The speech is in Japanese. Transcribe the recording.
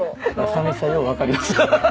寂しさようわかります。